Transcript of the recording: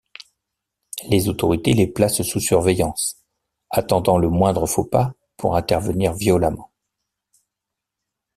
Les autorités les placent sous surveillance, attendant le moindre faux pas pour intervenir violemment.